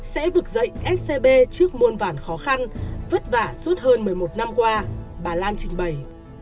sẽ vực dậy scb trước muôn vản khó khăn vất vả suốt hơn một mươi một năm qua bà lan trình bày